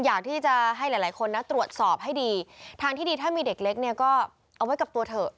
อยากที่จะให้หลายหลายคนนะตรวจสอบให้ดีทางที่ดีถ้ามีเด็กเล็กเนี่ยก็เอาไว้กับตัวเถอะ